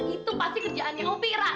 itu pasti kerjaan yang hobi ra